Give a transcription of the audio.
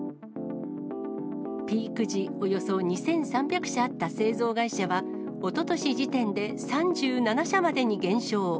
ピーク時、およそ２３００社あった製造会社は、おととし時点で３７社までに減少。